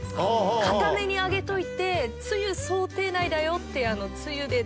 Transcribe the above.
かために揚げといてつゆ想定内だよってつゆで。